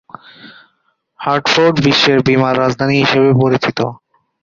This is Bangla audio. হার্টফোর্ড বিশ্বের বীমা রাজধানী হিসেবে পরিচিত।